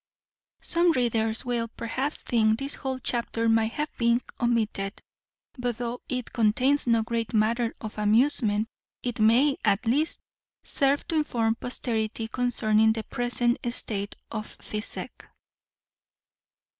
Some readers will, perhaps, think this whole chapter might have been omitted; but though it contains no great matter of amusement, it may at least serve to inform posterity concerning the present state of physic.